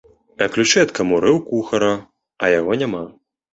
А ключы ад каморы ў кухара, а яго няма.